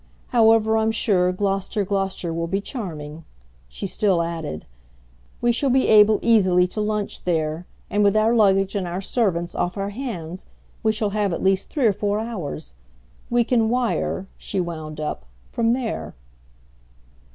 However, I'm sure Glo'ster, Glo'ster will be charming," she still added; "we shall be able easily to lunch there, and, with our luggage and our servants off our hands, we shall have at least three or four hours. We can wire," she wound up, "from there."